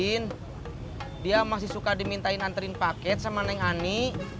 dia masih suka dimintain anterin paket sama neng ani